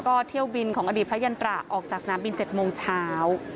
ก็เที่ยวบินของอดีตพระยันตราออกจากสนามบิน๗โมงเช้า